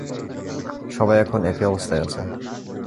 সবাই এখন একই অবস্থায় আছে।